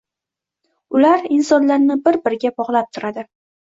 Ular insonlarni bir-biriga bog’lab turadi